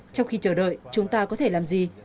trong khi chờ đợi chúng ta có thể làm gì